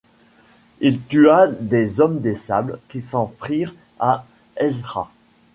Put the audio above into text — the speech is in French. Il tua des Hommes des Sables qui s'en prirent à Ezra.